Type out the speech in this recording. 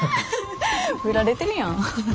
振られてるやん。